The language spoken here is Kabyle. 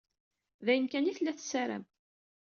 D ayen kan i tella tessaram.